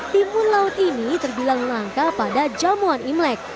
timun laut ini terbilang langka pada jamuan imlek